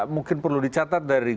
mungkin perlu dicatat dari